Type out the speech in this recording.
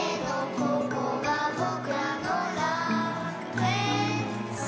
「ここがぼくらの楽園さ」